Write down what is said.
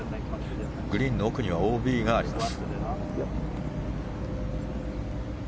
グリーンの奥にはＯＢがあります。